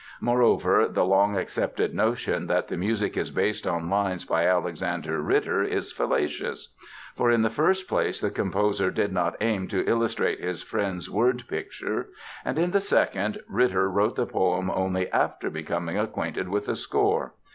Moreover the long accepted notion, that the music is based on lines by Alexander Ritter, is fallacious. For, in the first place the composer did not aim to illustrate his friend's word picture; and in the second, Ritter wrote the poem only after becoming acquainted with the score.